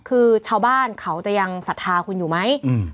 คือชาวบ้านเขาจะยังศรัทธาคุณอยู่ไหม